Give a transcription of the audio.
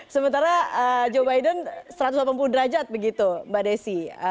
sementara joe biden satu ratus delapan puluh derajat begitu mbak desi